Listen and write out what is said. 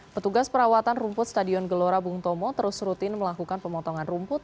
petugas perawatan rumput stadion gelora bung tomo terus rutin melakukan pemotongan rumput